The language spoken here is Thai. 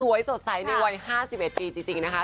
สดใสในวัย๕๑ปีจริงนะคะ